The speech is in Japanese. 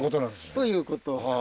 ということ。